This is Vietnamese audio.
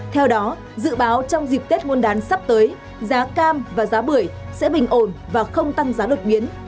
theo đó dự báo trong dịp tết nguyên đán sắp tới giá cam và giá bưởi sẽ bình ổn và không tăng giá đột biến